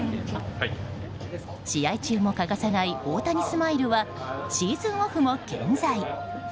試合中も欠かさない大谷スマイルはシーズンオフも健在。